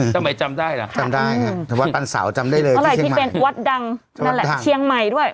ทำไมจำได้ล่ะจำได้วัดปันเสาจำได้เลยที่เชียงใหม่